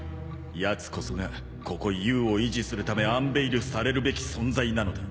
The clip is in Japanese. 奴こそがここＵを維持するためアンベイルされるべき存在なのだ。